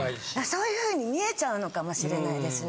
そういうふうに見えちゃうのかもしれないですね。